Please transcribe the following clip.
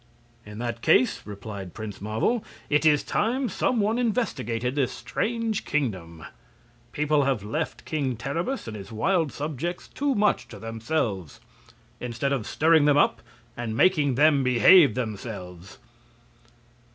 "In that case," replied Prince Marvel, "it is time some one investigated this strange kingdom. People have left King Terribus and his wild subjects too much to themselves; instead of stirring them up and making them behave themselves."